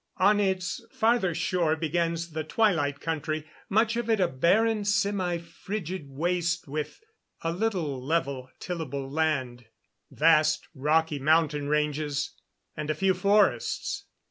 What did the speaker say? On its farther shore begins the Twilight Country, much of it a barren, semifrigid waste, with a little level, tillable land, vast rocky mountain ranges, and a few forests.